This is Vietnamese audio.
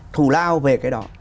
thù lao về cái đó